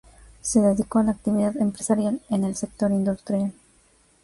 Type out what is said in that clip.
Se dedicó a la actividad empresarial en el sector industrial.